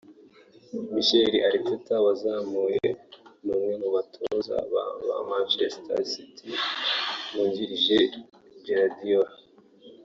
Mikel Arteta (wazamuye akaboko) ni umwe mu batoza ba Manchester City bungirije Guardiola